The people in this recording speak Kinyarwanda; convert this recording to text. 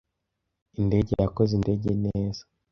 Indege yakoze indege neza.